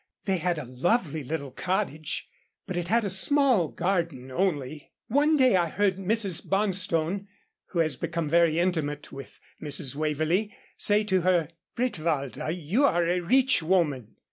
They had a lovely little cottage, but it had a small garden only. One day I heard Mrs. Bonstone, who has become very intimate with Mrs. Waverlee, say to her, "Bretwalda, you are a rich woman.